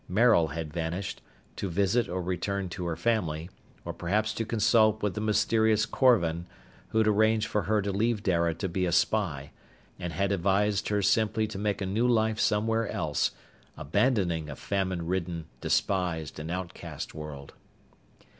Maril had vanished, to visit or return to her family, or perhaps to consult with the mysterious Korvan who'd arranged for her to leave Dara to be a spy, and had advised her simply to make a new life somewhere else, abandoning a famine ridden, despised, and out caste world.